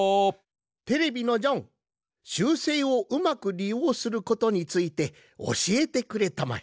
テレビのジョン習性をうまくりようすることについておしえてくれたまえ。